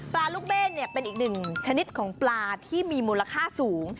ลูกเบ้นเป็นอีกหนึ่งชนิดของปลาที่มีมูลค่าสูง